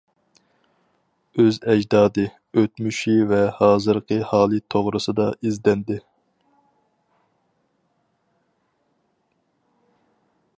ئۈز ئەجدادى، ئۆتمۈشى ۋە ھازىرقى ھالى توغرىسىدا ئىزدەندى.